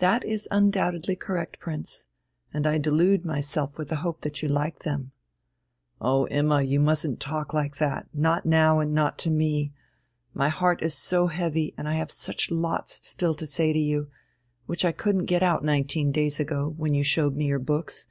"That is undoubtedly correct, Prince. And I delude myself with the hope that you liked them." "Oh, Imma, you mustn't talk like that, not now and not to me! My heart is so heavy, and I have such lots still to say to you, which I couldn't get out nineteen days ago, when you showed me your books